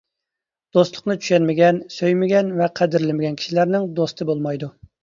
دوستلۇقنى چۈشەنمىگەن، سۆيمىگەن ۋە قەدىرلىمىگەن كىشىلەرنىڭ دوستى بولمايدۇ.